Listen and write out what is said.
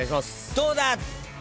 どうだ？